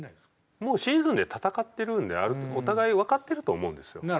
もうシーズンで戦ってるんでお互いわかってると思うんですよ。